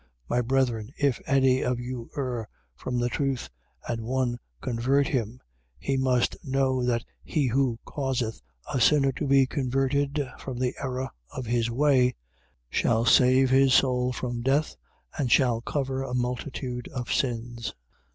5:19. My brethren, if any of you err from the truth and one convert him: 5:20. He must know that he who causeth a sinner to be converted from the error of his way shall save his soul from death and shall cover a multitude of sins.